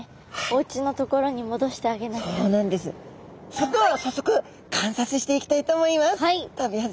それでは早速観察していきたいと思います。